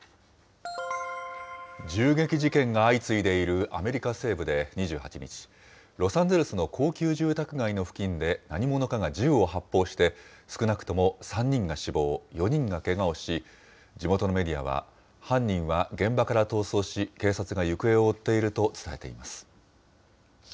銃撃事件が相次いでいるアメリカ西部で２８日、ロサンゼルスの高級住宅街の付近で何者かが銃を発砲して、少なくとも３人が死亡、４人がけがをし、地元のメディアは、犯人は現場から逃走し、警察が行方を追っていると伝えています。